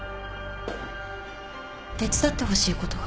手伝ってほしいことが。